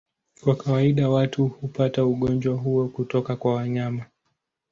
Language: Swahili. Kwa kawaida watu hupata ugonjwa huo kutoka kwa wanyama.